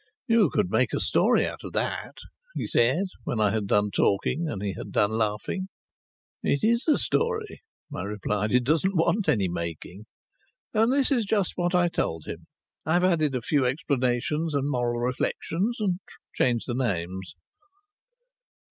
"You could make a story out of that," he said, when I had done talking and he had done laughing. "It is a story," I replied. "It doesn't want any making." And this is just what I told him. I have added on a few explanations and moral reflections and changed the names.